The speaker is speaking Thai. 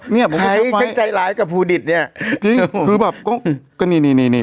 เนี้ยใครก็ใจร้ายกับภูติศเนี้ยจริงคือแบบก็นี่นี่นี่นี่